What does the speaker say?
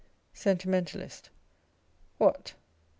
Sentimentalist. What